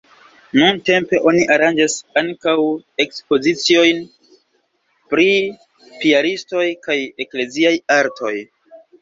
Nuntempe oni aranĝas ankaŭ ekspoziciojn pri piaristoj kaj ekleziaj artoj.